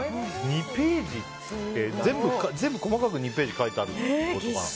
２ページって、全部細かく２ページ書いてあるってことかな。